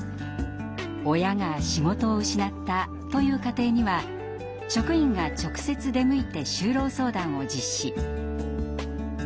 「親が仕事を失った」という家庭には職員が直接出向いて就労相談を実施。